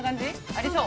ありそう？